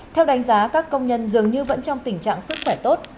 theo đánh giá các công nhân dường như vẫn trong tình trạng sức khỏe tốt